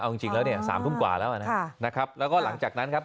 เอาจริงแล้วเนี่ย๓ทุ่มกว่าแล้วนะครับแล้วก็หลังจากนั้นครับ